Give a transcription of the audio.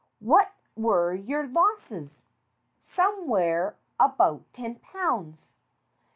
"What were your losses ?" "Somewhere about ten pounds."